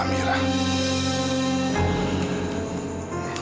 gimana hidup dia sekarang